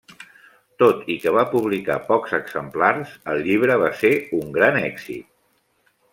Tot i que va publicar pocs exemplars, el llibre va ser un gran èxit.